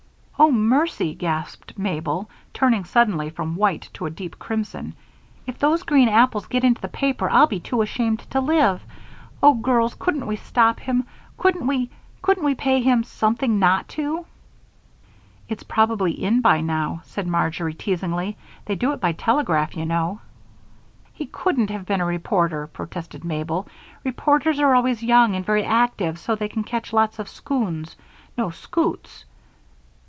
"Oh, mercy!" gasped Mabel, turning suddenly from white to a deep crimson. "If those green apples get into the paper, I'll be too ashamed to live! Oh, girls! Couldn't we stop him couldn't we couldn't we pay him something not to?" "It's probably in by now," said Marjory, teasingly. "They do it by telegraph, you know." "He couldn't have been a reporter," protested Mabel. "Reporters are always young and very active so they can catch lots of scoons no, scoots."